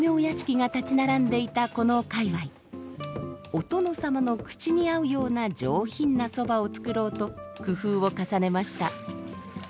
お殿様の口に合うような上品なそばを作ろうと工夫を重ねました。